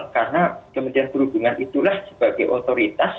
karena kementerian perhubungan itulah sebagai otoritas